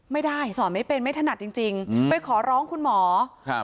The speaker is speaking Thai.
ไม่ได้สอนไม่เป็นไม่ถนัดจริงจริงอืมไปขอร้องคุณหมอครับ